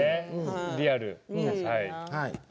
リアル。